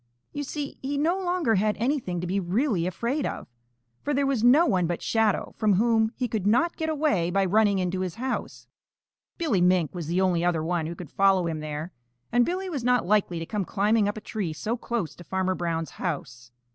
You see, he no longer had anything to be really afraid of, for there was no one but Shadow from whom he could not get away by running into his house. Billy Mink was the only other one who could follow him there, and Billy was not likely to come climbing up a tree so close to Farmer Brown's house.